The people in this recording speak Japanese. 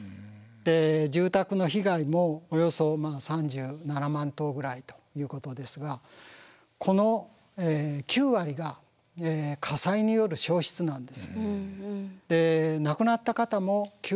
住宅の被害もおよそ３７万棟ぐらいということですがこの９割が火災による焼失なんです。